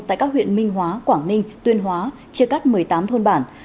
tại các huyện minh hóa quảng ninh tuyên hóa chia cắt một mươi tám thôn bản